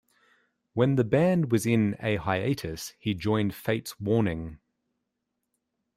When the band was in a hiatus, he joined Fates Warning.